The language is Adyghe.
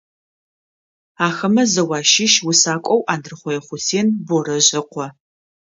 Ахэмэ зэу ащыщ усакӏоу Андрыхъое Хъусен Борэжъ ыкъо.